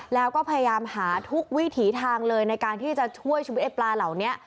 แล้วก็พยายามหาทุกวิถีทางเลยในการที่จะช่วยชีวิตไอ้ปลาเหล่านี้